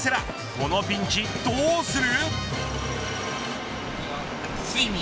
このピンチ、どうする。